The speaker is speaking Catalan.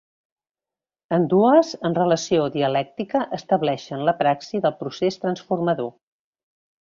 Ambdues en relació dialèctica estableixen la praxi del procés transformador.